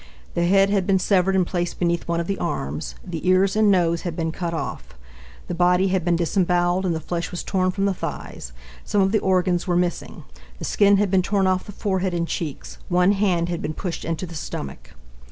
The head had been severed and placed beneath one of the arms. The ears and nose had been cut off. The body had been disemboweled and the flesh was torn from the thighs. Some of the organs were missing. The skin had been torn off the forehead and cheeks. One hand had been pushed into the stomach.